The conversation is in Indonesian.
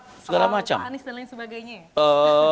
soal anies dan lain sebagainya